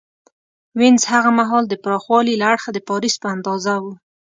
وینز هغه مهال د پراخوالي له اړخه د پاریس په اندازه و